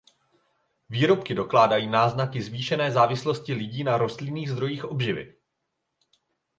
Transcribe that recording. Výrobky dokládají náznaky zvýšené závislosti lidí na rostlinných zdrojích obživy.